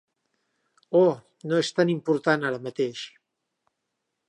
Oh, no és tan important ara mateix.